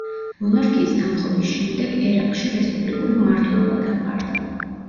მონარქიის დამხობის შემდეგ ერაყში რესპუბლიკური მმართველობა დამყარდა.